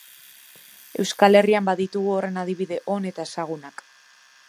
Euskal Herrian baditugu horren adibide on eta ezagunak.